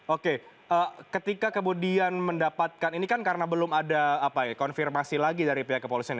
oke ketika kemudian mendapatkan ini kan karena belum ada konfirmasi lagi dari pihak kepolisian